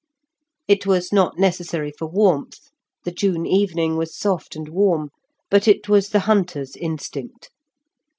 It was not necessary for warmth, the June evening was soft and warm, but it was the hunter's instinct.